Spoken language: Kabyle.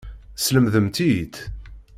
Teslemdemt-iyi-tt.